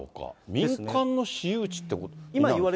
民間の私有地っていうこと？